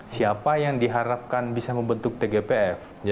siapa yang diharapkan bisa membentuk tgpf